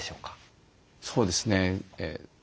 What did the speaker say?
そうですね。